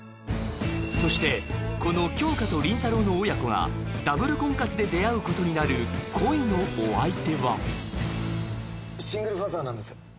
そしてこの杏花と林太郎の親子がダブル婚活で出会うことになる恋のお相手はシングルファーザーなんです